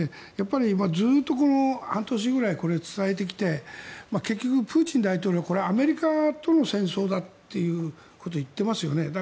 ずっと半年ぐらいこれを伝えてきて結局、プーチン大統領これはアメリカとの戦争だということを言っていますよね。